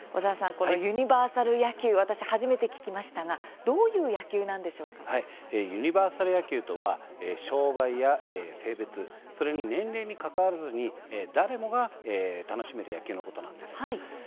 ユニバーサル野球、私初めて聞きましたがユニバーサル野球とは障害や性別、年齢にかかわらず誰もが楽しめる野球のことです。